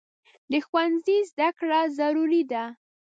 د ښوونځي زده کړه ضروري ده.